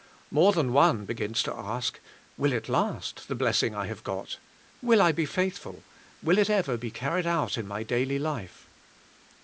More than one beg"ins to ask, "Will it last, the blessing I have got? Will I be faithful? Will it ever be carried out in my dail}^ life?"